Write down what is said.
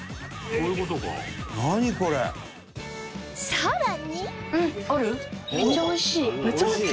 さらに